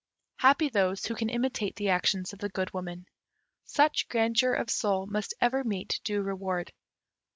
Happy those who can imitate the actions of the Good Woman. Such grandeur of soul must ever meet due reward.